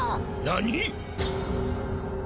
何！？